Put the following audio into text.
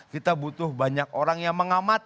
kita butuh banyak orang yang mengamati